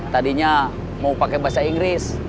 tadinya mau pakai bahasa inggris